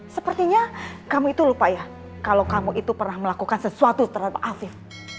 sepertinya kamu itu lupa ya kalau kamu itu pernah melakukan sesuatu terhadap afif